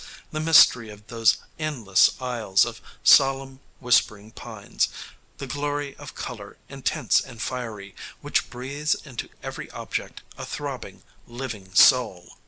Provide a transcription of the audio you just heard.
the mystery of those endless aisles of solemn whispering pines! the glory of color, intense and fiery, which breathes into every object a throbbing, living soul!